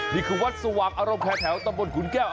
นี่คือวัดสว่างอารมณ์แถวตะหมดขุนแก้ว